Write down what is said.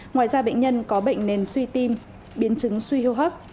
ngoài ra bệnh nhân có bệnh nền suy tim biến chứng suy hô hấp